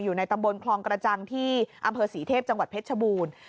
อยู่ในตำบลคลองกระจังที่อำเภอศรีเทพจังหวัดเพชรชบูรณ์